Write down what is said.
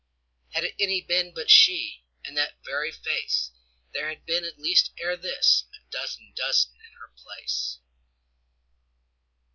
Had it any been but she, And that very face, There had been at least ere thisA dozen dozen in her place.